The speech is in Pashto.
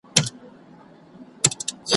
قتلول یې یوله بله په زرګونه ,